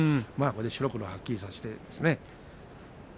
白黒はっきりさせてですね。